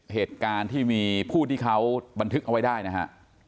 เหตุการณ์ที่มีผู้ที่เขาบันทึกเอาไว้ได้นะฮะ